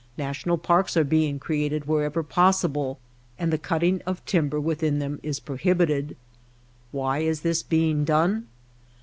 National parks are THE BOTTOM OF THE BOWL 69 being created wherever possible and the cutting of timber within them is prohibited. Why is this being done